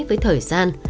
với thời gian